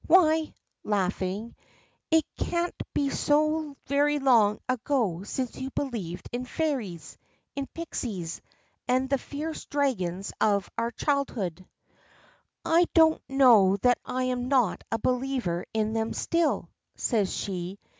Why," laughing, "it can't be so very long ago since you believed in fairies, in pixies, and the fierce dragons of our childhood." "I don't know that I am not a believer in them still," says she.